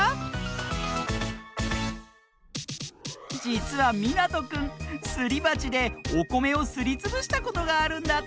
じつはみなとくんすりばちでおこめをすりつぶしたことがあるんだって！